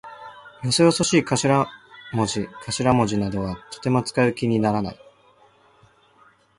よそよそしい頭文字かしらもじなどはとても使う気にならない。